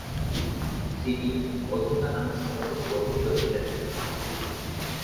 তিনি 'মধুদা' নামে সমধিক পরিচিত ছিলেন।